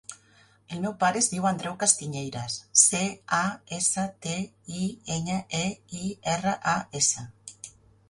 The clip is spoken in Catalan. El meu pare es diu Andreu Castiñeiras: ce, a, essa, te, i, enya, e, i, erra, a, essa.